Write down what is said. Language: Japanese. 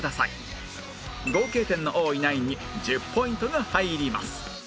合計点の多いナインに１０ポイントが入ります